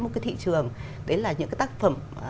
một cái thị trường đấy là những cái tác phẩm